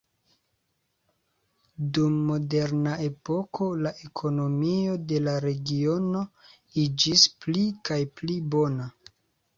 Dum Moderna epoko la ekonomio de la regiono iĝis pli kaj pli bona.